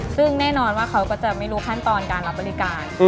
ซึ่งแน่นอนว่าเขาก็จะไม่รู้ขั้นตอนการรับบริการ